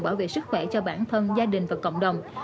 bảo vệ sức khỏe cho bản thân gia đình và cộng đồng